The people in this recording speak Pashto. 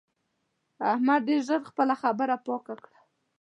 احمد ډېر ژر خپله خبره پاکه کړه.